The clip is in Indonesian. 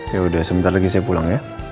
yaudah sebentar lagi saya pulang ya